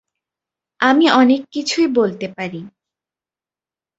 আমি অনেক কিছুই বলতে পারি।